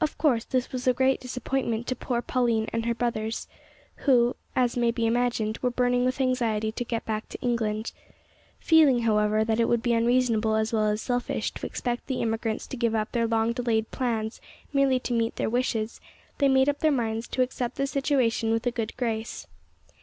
Of course this was a great disappointment to poor Pauline and her brothers, who, as may be imagined, were burning with anxiety to get back to England. Feeling, however, that it would be unreasonable as well as selfish to expect the emigrants to give up their long delayed plans merely to meet their wishes, they made up their minds to accept the situation with a good grace.